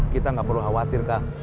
kita gak perlu khawatir kak